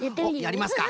やりますか。